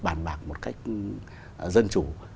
bàn bạc một cách dân chủ